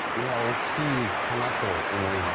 大きいかなと思います。